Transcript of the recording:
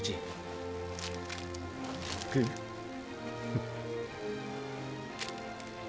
フッ。